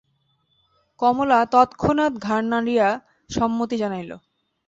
কমলা তৎক্ষণাৎ ঘাড় নাড়িয়া সম্মতি জানাইল।